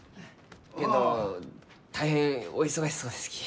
けんど大変お忙しそうですき。